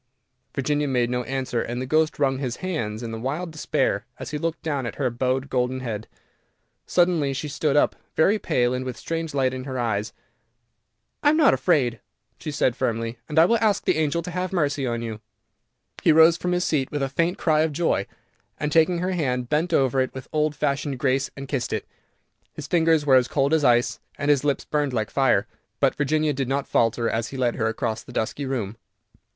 Virginia made no answer, and the ghost wrung his hands in wild despair as he looked down at her bowed golden head. Suddenly she stood up, very pale, and with a strange light in her eyes. "I am not afraid," she said firmly, "and I will ask the angel to have mercy on you." He rose from his seat with a faint cry of joy, and taking her hand bent over it with old fashioned grace and kissed it. His fingers were as cold as ice, and his lips burned like fire, but Virginia did not falter, as he led her across the dusky room.